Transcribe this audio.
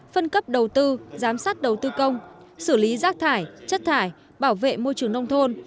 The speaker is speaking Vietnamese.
phân cấp đầu tư giám sát đầu tư công xử lý rác thải chất thải bảo vệ môi trường nông thôn